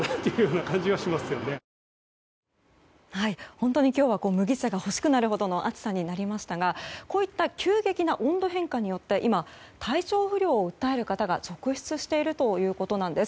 本当に今日は麦茶が欲しくなるほどの暑さになりましたがこういった急激な温度変化によって今体調不良を訴える方が続出しているということなんです。